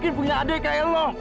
dia gak mungkin punya adik kayak lu